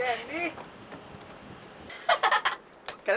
tapi untuk kuat ke tingkat baru